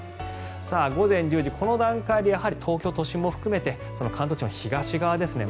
午前１０時、この段階でやはり東京都心も含めて関東地方は東側ですね